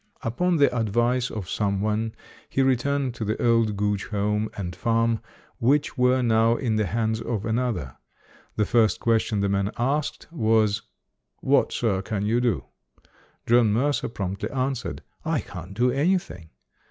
Upon the advice of some one, he returned to the old Gooch home and farm, which were now in the hands of another. The first question the man asked was, "What, sir, can you do?" John Mercer promptly answered, "I can't do anything".